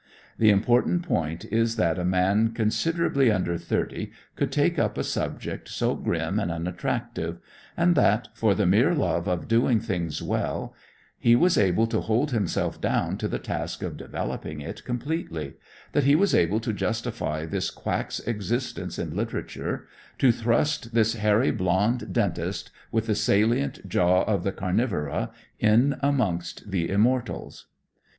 The important point is that a man considerably under thirty could take up a subject so grim and unattractive, and that, for the mere love of doing things well, he was able to hold himself down to the task of developing it completely, that he was able to justify this quack's existence in literature, to thrust this hairy, blonde dentist with the "salient jaw of the carnivora," in amongst the immortals.